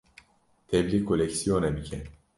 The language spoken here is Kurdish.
tevlî koleksiyonê bike.